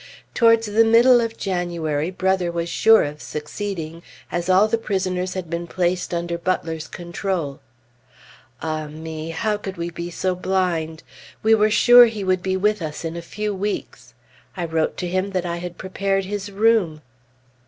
Towards the middle of January, Brother was sure of succeeding, as all the prisoners had been placed under Butler's control. Ah me! How could we be so blind? We were sure he would be with us in a few weeks! I wrote to him that I had prepared his room.